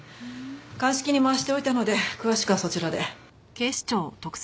鑑識に回しておいたので詳しくはそちらで。